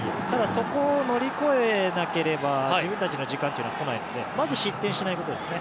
ただ、そこを乗り越えなければ自分たちの時間は来ないので。